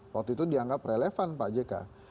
waktu itu dianggap relevan pak jk